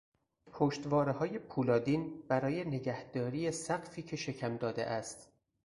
پشتوارههای پولادین برای نگهداری سقفی که شکم داده است